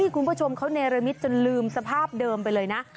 คุณผู้ชมเขาเนรมิตจนลืมสภาพเดิมไปเลยนะ